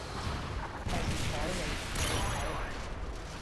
費事睬你，早唞